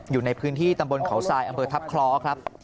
อยู่ในพื้นที่ตำบลเขาทรายอำเบิดทับคล้อ